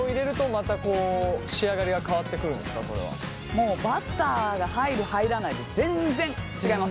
もうバターが入る入らないで全然違います。